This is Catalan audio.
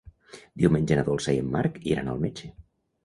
Diumenge na Dolça i en Marc iran al metge.